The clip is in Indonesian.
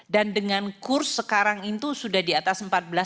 dan dengan kurs sekarang itu sudah di atas empat belas empat ratus lima puluh